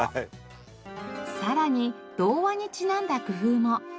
さらに童話にちなんだ工夫も。